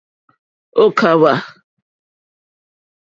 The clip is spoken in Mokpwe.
Ò kàwà.